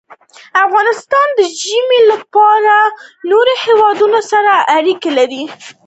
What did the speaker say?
افغانستان د ژمی له پلوه له نورو هېوادونو سره اړیکې لري.